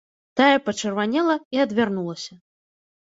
Тая пачырванела і адвярнулася.